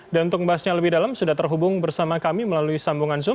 dan untuk membahasnya lebih dalam sudah terhubung bersama kami melalui sambungan zoom